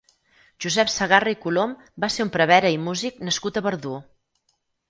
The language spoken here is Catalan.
Josep Segarra i Colom va ser un prevere i músic nascut a Verdú.